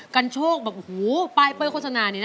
กันโชคแบบหูป้ายเปิ้ลโฆษณานี่นะ